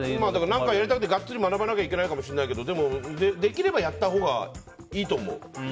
何かやりたいとガッツリ学ばなきゃいけないかもしれないけどでも、できればやったほうがいいと思う。